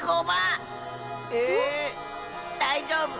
えっ⁉だいじょうぶ。